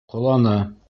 Ҡоланы!